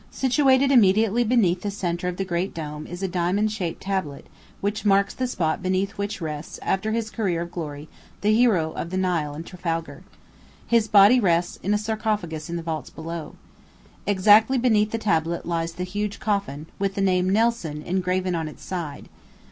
Situated immediately beneath the centre of the great dome is a diamond shaped tablet, which marks the spot beneath which rests, after his career of glory, the hero of the Nile and Trafalgar. His body rests in a sarcophagus in the vaults below. Exactly beneath the tablet lies the huge coffin, with the name "NELSON" engraven on its side.